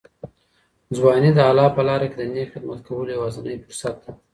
ځواني د الله په لاره کي د نېک خدمت کولو یوازینی فرصت دی.